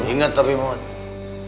ingat tapi mundi